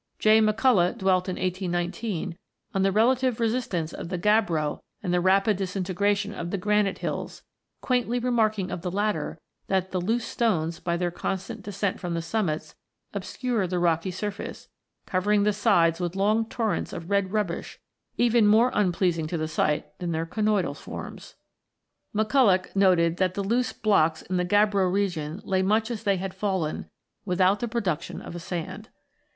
J. Macculloch dwelt in 181 9 (91) on the relative resistance of the gabbro and the rapid disintegration of the granite hills, quaintly remarking of the latter that "the loose stones, by their constant descent from the summits, obscure the rocky surface, covering the sides with long torrents of red rubbish even more unpleasing to the sight than their conoidal forms/' Macculloch noted that the loose blocks in the gabbro region lay much as they had fallen, without the production of a sand.